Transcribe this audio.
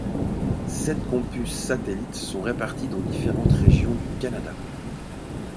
Sept campus satellites sont répartis dans différentes régions du Canada.